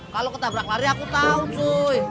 kalau ketabrak lari aku tahu tuh